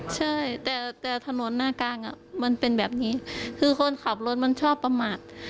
ใช่แต่ถนนหน้ากลางมันเป็นแบบนี้คือคนขับรถมันชอบประมาท